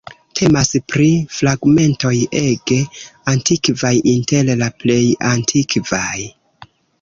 Temas pri fragmentoj ege antikvaj, inter la plej antikvaj.